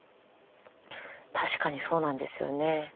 確かにそうなんですよね。